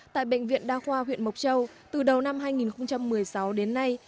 tại bệnh viện đa khoa huyện mộc châu từ đầu năm hai nghìn một mươi sáu đến nay